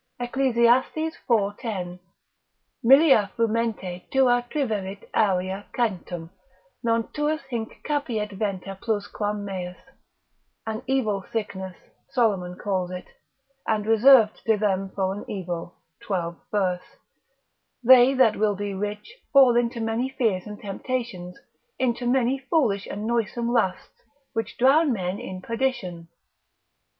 Eccles. iv. 10. Millia frumenti tua triverit area centum, Non tuus hinc capiet venter plus quam meus——— an evil sickness, Solomon calls it, and reserved to them for an evil, 12 verse. They that will be rich fall into many fears and temptations, into many foolish and noisome lusts, which drown men in perdition.